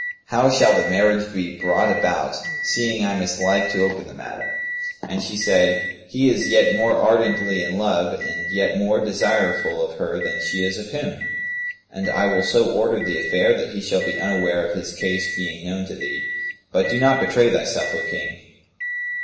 How shall the marriage be brought about, seeing I mislike to open the matter?" And she said, "He is yet more ardently in love and yet more desireful of her than she is of him; and I will so order the affair that he shall be unaware of his case being known to thee; but do not betray thyself, O King."